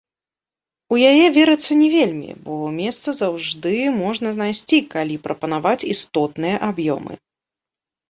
У яе верыцца не вельмі, бо месца заўжды можна знайсці, калі прапанаваць істотныя аб'ёмы.